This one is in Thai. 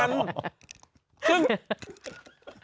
คือ